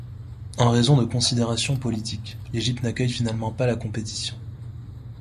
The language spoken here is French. En raison de considérations politiques, l'Égypte n'accueille finalement pas la compétition.